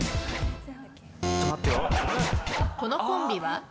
このコンビは？